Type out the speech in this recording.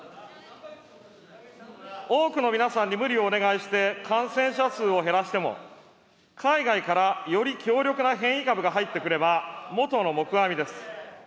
多くの皆さんに無理をお願いして、感染者数を減らしても、海外からより強力な変異株が入ってくれば、元のもくあみです。